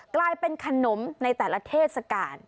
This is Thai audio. กลายเป็นขนมในแต่ละเทศกาล